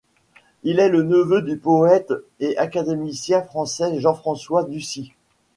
Il est le neveu du poète et académicien français Jean-François Ducis.